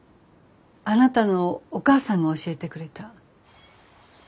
あなたのお母さんが教えてくれた。